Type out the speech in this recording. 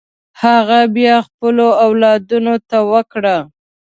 هغه بیا خپلو اولادونو ته ورکړه.